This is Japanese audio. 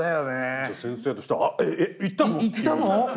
じゃあ先生としては「え行ったの⁉」って。